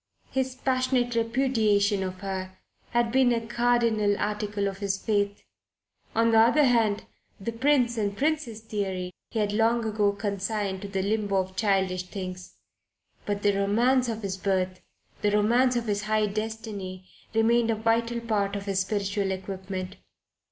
His passionate repudiation of her had been a cardinal article of his faith. On the other hand, the prince and princess theory he had long ago consigned to the limbo of childish things; but the romance of his birth, the romance of his high destiny, remained a vital part of his spiritual equipment.